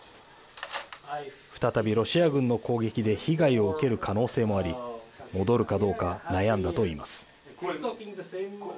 再びロシア軍の攻撃で被害を受ける可能性もあり戻るかどうか悩んだと言います。